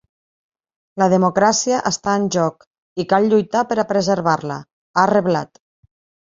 La democràcia està en joc i cal lluitar per a preservar-la, ha reblat.